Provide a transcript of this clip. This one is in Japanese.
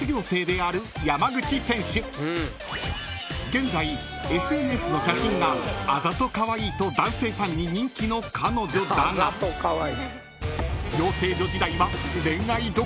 ［現在ＳＮＳの写真が「あざとかわいい」と男性ファンに人気の彼女だが養成所時代は］